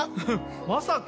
まさか？